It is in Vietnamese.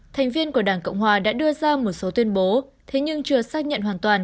thành viên của đảng cộng hòa đã đưa ra một số tuyên bố thế nhưng chưa xác nhận